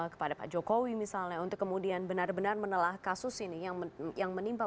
kepada pak jokowi misalnya untuk kemudian benar benar menelah kasus ini yang menimpa